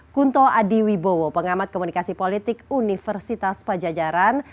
kunto adiwibowo pengamat komunikasi politik universitas pajajaran